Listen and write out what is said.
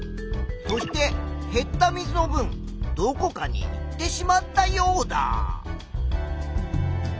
そして減った水のぶんどこかにいってしまったヨウダ。